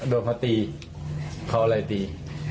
โดนเขาตีเขาอะไรตี